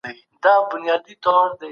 رښتینولي د سوداګرۍ اساس دی.